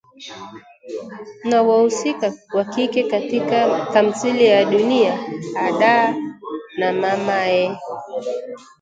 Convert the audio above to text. na wahusika wa kike katika tamthilia za Dunia Hadaa na Mama Ee